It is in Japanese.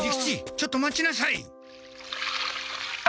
ちょっと待ちなさい！